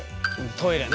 トイレね。